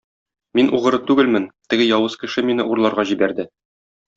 Мин угры түгелмен, теге явыз кеше мине урларга җибәрде.